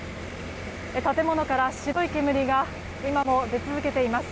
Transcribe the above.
建物から白い煙が今も出続けています。